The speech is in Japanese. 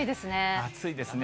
暑いですね。